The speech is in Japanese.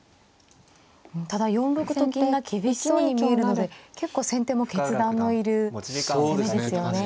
ただ４六と金が厳しそうに見えるので結構先手も決断の要る攻めですよね。